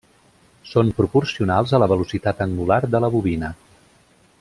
Són proporcionals a la velocitat angular de la bobina.